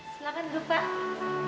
silahkan duduk pak